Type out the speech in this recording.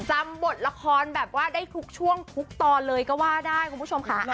บทละครแบบว่าได้ทุกช่วงทุกตอนเลยก็ว่าได้คุณผู้ชมค่ะ